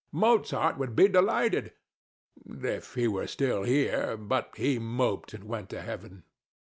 Mozart would be delighted if he were still here; but he moped and went to heaven.